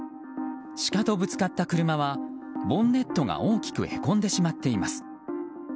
シカとぶつかった車はボンネットが大きくへこんでしまっています。